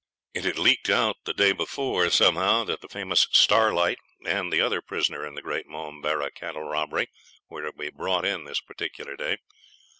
It had leaked out the day before, somehow, that the famous Starlight and the other prisoner in the great Momberah cattle robbery were to be brought in this particular day.